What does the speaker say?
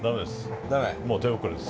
もう手遅れです。